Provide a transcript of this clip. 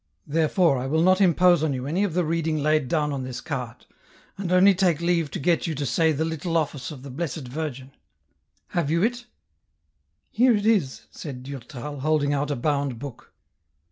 Therefore I will not impose on you any of the reading laid down on this I EN ROUTE. 159 card, and only take leave to get you to say the Little Office of the Blessed Virgin. Have you it ?"" Here it is," said Durtal, holding out a bound book.